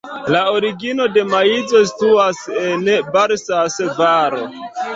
La origino de maizo situas en Balsas-Valo.